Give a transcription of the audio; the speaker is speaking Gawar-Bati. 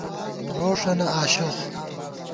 روݭَنہ آشوخ